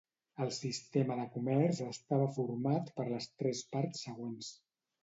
El Sistema de Comerç estava format per les tres parts següents.